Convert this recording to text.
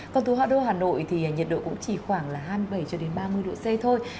còn thú hạ đô hà nội thì nhiệt độ cũng chỉ khoảng hai mươi bảy ba mươi độ c thôi